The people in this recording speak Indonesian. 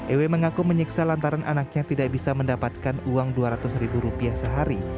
ew mengaku menyiksa lantaran anaknya tidak bisa mendapatkan uang dua ratus ribu rupiah sehari